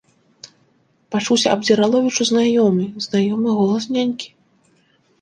— пачуўся Абдзіраловічу знаёмы, знаёмы голас нянькі.